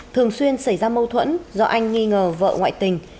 thường xuyên xảy ra mâu thuẫn do anh nghi ngờ vợ ngoại tình